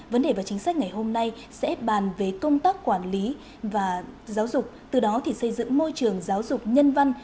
vấn đề và chính sách ngày hôm nay sẽ bàn về công tác quản lý và giáo dục từ đó thì xây dựng môi trường giáo dục nhân văn